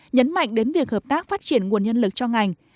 nhấn mạnh đến việc hợp tác phát triển nguồn nhân lực cho ngành